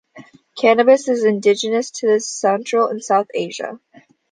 Cannabis is indigenous to Central and South Asia.